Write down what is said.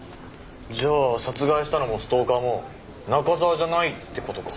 じゃあ殺害したのもストーカーも中沢じゃないって事か。